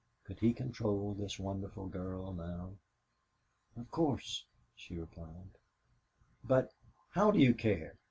Could he control this wonderful girl now? "Of course," she replied. "But how do you care?"